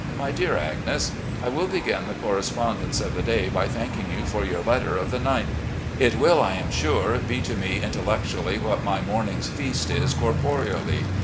"My Dear Agnes: I will begin the correspondence of the day by thanking you for your letter of the 9th. It will, I am sure, be to me intellectually what my morning's feast is corporeally.